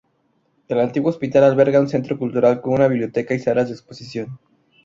El antiguo hospital alberga un centro cultural con una biblioteca y salas de exposición.